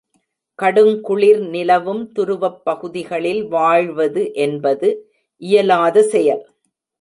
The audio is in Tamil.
கடுங்குளிர் நிலவும் துருவப் பகுதிகளில் வாழ்வது என்பது இயலாத செயல்.